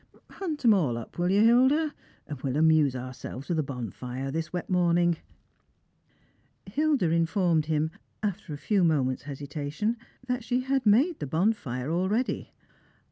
Hunt 'em all up, will you, Hilda ? and we'll amuse ourselves with a bonfire this wet morning." Hilda informed him, after a few moments' hesitation, that she had made the bonfire already.